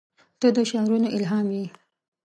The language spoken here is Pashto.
• ته د شعرونو الهام یې.